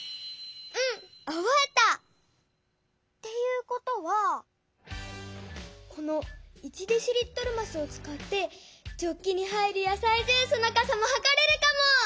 うんおぼえた！っていうことはこの１デシリットルますをつかってジョッキに入るやさいジュースのかさもはかれるかも！